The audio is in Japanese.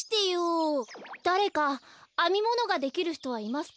だれかあみものができるひとはいますか？